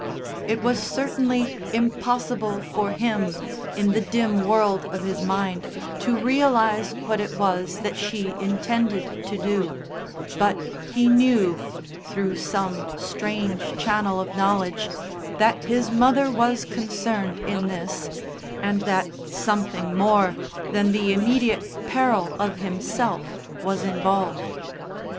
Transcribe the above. It was certainly impossible for him, in the dim world of his mind, to realise what it was that she intended to do, but he knew, through some strange channel of knowledge, that his mother was concerned in this, and that something more than the immediate peril of himself was involved.